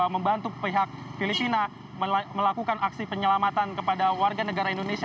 membantu pihak filipina melakukan aksi penyelamatan kepada warga negara indonesia